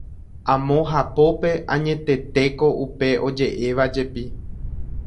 Amo hapópe añetetéko upe oje'évajepi